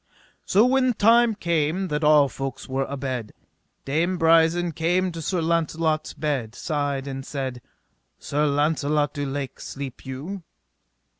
So when time came that all folks were abed, Dame Brisen came to Sir Launcelot's bed's side and said: Sir Launcelot du Lake, sleep you?